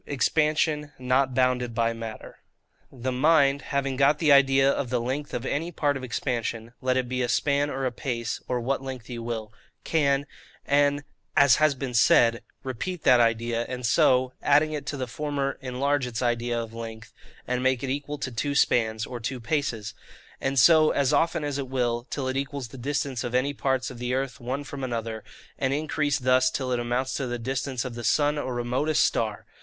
Expansion not bounded by Matter. The mind, having got the idea of the length of any part of expansion, let it be a span, or a pace, or what length you will, CAN, as has been said, repeat that idea, and so, adding it to the former, enlarge its idea of length, and make it equal to two spans, or two paces; and so, as often as it will, till it equals the distance of any parts of the earth one from another, and increase thus till it amounts to the distance of the sun or remotest star.